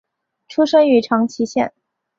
出身于长崎县。